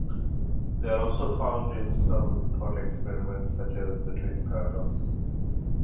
They are also found in some thought experiments such as the twin paradox.